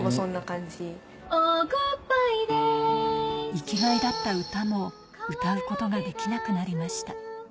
生きがいだった歌も歌うことができなくなりました。